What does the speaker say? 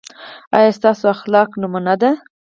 ایا ستاسو اخلاق نمونه دي؟